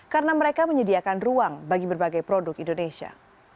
karena mereka menyediakan ruang bagi berbagai produk indonesia